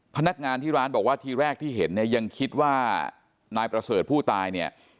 พนักงานที่ร้านบอกว่าทีแรกที่เห็นเนี่ยยังคิดว่านายประเสริฐผู้ตายเนี่ย